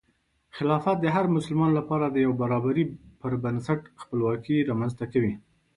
خلافت د هر مسلمان لپاره د یو برابري پر بنسټ خپلواکي رامنځته کوي.